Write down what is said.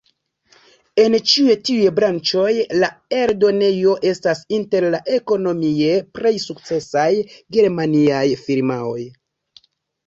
En ĉiuj tiuj branĉoj, la eldonejo estas inter la ekonomie plej sukcesaj germaniaj firmaoj.